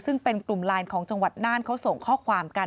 ซึ่งเป็นกลุ่มไลน์ของจังหวัดน่านเขาส่งข้อความกัน